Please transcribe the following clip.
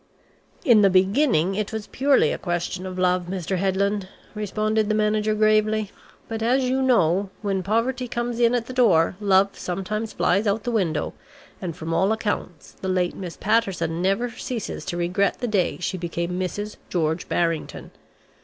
"In the beginning it was purely a question of love, Mr. Headland," responded the manager gravely. "But as you know, when poverty comes in at the door, love sometimes flies out of the window, and from all accounts, the late Miss Patterson never ceases to regret the day she became Mrs. George Barrington.